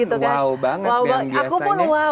itu kan wow banget yang biasanya